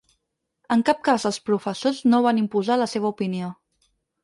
En cap cas els professors no van imposar la seva opinió.